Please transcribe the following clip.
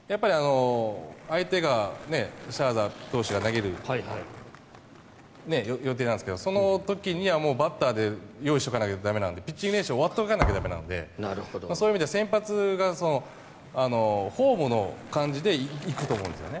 相手がシャーザー投手が投げる予定なんですけどその時にはバッターで用意しておかないと駄目なのでピッチング練習終わってないと駄目なのでそういう意味で先発がホームの感じで行くと思うんです。